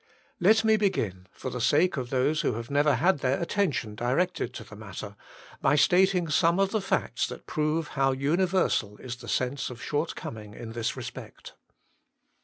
Let me begin, for the sake of those who have never had their attention directed to the matter, by stating some of the facts that prove how universal is the sense of shortcoming in this respect.